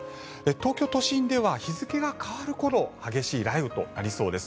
東京都心では日付が変わる頃激しい雷雨となりそうです。